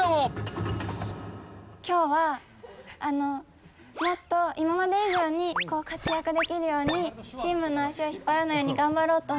今日はもっと今まで以上に活躍できるようにチームの足を引っ張らないように頑張ろうと思います。